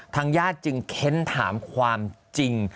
ทางญาติจึงเค้นถามความจริง